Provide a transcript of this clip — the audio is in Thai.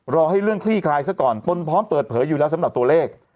รอให้เรื่องคลี่คลายซะก่อนตนพร้อมเปิดเผยอยู่แล้วสำหรับตัวเลข